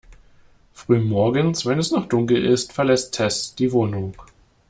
Früh morgens, wenn es noch dunkel ist, verlässt Tess die Wohnung.